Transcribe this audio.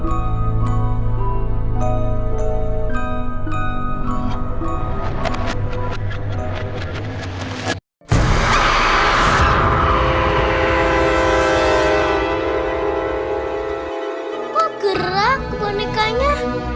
apa gerak bonekanya